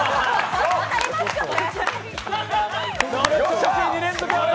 当たりますかね！？